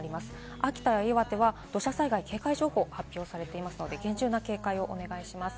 秋田や岩手は土砂災害警戒情報が発表されていますので厳重な警戒をお願いします。